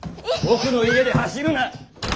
僕の家で走るなッ！